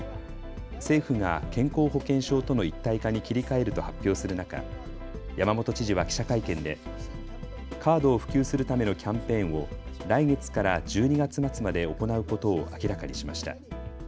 政府が健康保険証との一体化に切り替えると発表する中、山本知事は記者会見でカードを普及するためのキャンペーンを来月から１２月末まで行うことを明らかにしました。